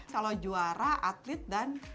kalau juara atlet dan